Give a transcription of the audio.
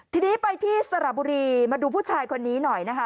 ทีนี้ไปที่สระบุรีมาดูผู้ชายคนนี้หน่อยนะคะ